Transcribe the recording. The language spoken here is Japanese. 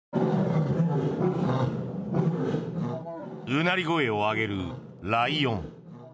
うなり声を上げるライオン。